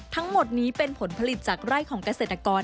ทั้งหมดนี้เป็นผลผลิตจากไร่ของเกษตรกร